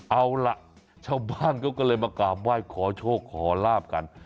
เอาล่ะชาวบ้านเขาก็เลยมากราบไหว้ขอโชคขอลาบกัน